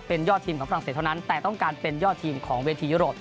เป็นยอดทีมของฝรั่งเศสเท่านั้นแต่ต้องการเป็นยอดทีมของเวทียุโรป